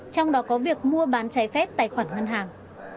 trong đó có việc mua bán trái phép tài khoản ngân hàng